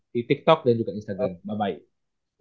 di tiktok dan juga instagram bye bye